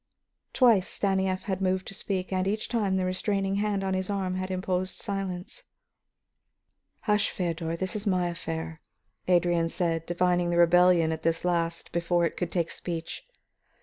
Twice Stanief had moved to speak, and each time the restraining hand on his arm had imposed silence. "Hush, Feodor; this is my affair," Adrian said, divining the rebellion at this last before it could take speech.